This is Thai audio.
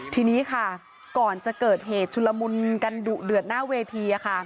ทีนี้ค่ะก่อนจะเกิดเหตุชุลมุนกันดุเดือดหน้าเวที